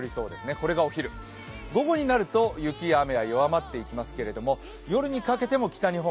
これがお昼、午後になると雪や雨が弱まってきますけれども夜にかけても北日本